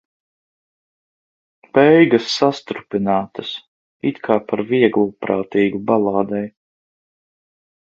Beigas sastrupinātas, it kā par vieglprātīgu balādei.